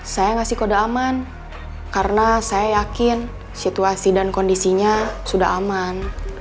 saya ngasih kode aman karena saya yakin situasi dan kondisinya sudah aman